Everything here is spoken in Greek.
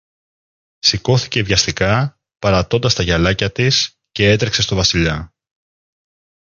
Σηκώθηκε βιαστικά, παρατώντας τα γυαλάκια της, κι έτρεξε στο Βασιλιά.